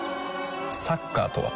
サッカーとは？